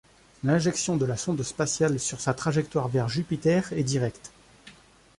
L'injection de la sonde spatiale sur sa trajectoire vers Jupiter est directe.